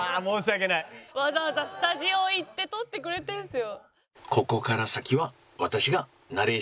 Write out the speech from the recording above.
わざわざスタジオ行って録ってくれてるんですよ。